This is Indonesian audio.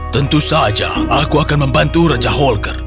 tentu saja aku akan membantu raja holker